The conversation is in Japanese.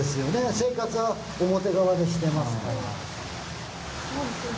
生活は表側でしてますから。